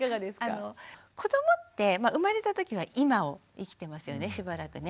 子どもって生まれたときは今を生きてますよねしばらくね。